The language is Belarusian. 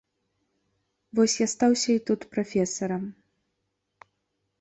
Вось я стаўся і тут прафесарам.